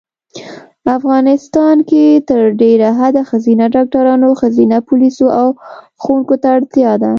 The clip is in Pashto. افغانیستان کې تر ډېره حده ښځېنه ډاکټرانو ښځېنه پولیسو او ښوونکو ته اړتیا ده